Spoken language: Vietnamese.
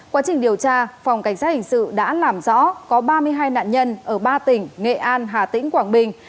quá trình điều tra phòng cảnh sát hình sự đã làm rõ có ba mươi hai nạn nhân ở ba tỉnh nghệ an hà tĩnh quảng bình